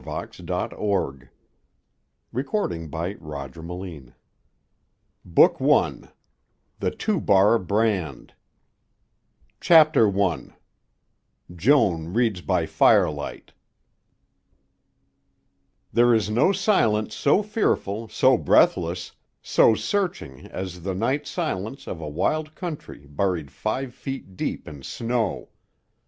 The End of the Trail 300 THE BRANDING IRON Book One THE TWO BAR BRAND CHAPTER I JOAN READS BY FIRELIGHT There is no silence so fearful, so breathless, so searching as the night silence of a wild country buried five feet deep in snow.